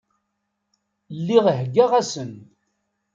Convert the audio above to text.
Lliɣ heggaɣ-asen.